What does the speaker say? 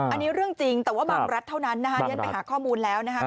อันนี้เรื่องจริงแต่ว่าบางรัฐเท่านั้นฉันไปหาข้อมูลแล้ว